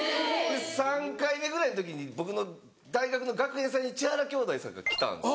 ３回目ぐらいの時に僕の大学の学園祭に千原兄弟さんが来たんです。